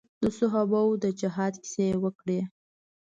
د صحابه وو د جهاد کيسې يې وکړې.